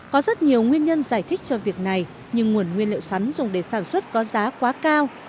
có rất nhiều nguyên nhân giải thích cho việc này nhưng nguồn nguyên liệu sắn dùng để sản xuất có giá quá cao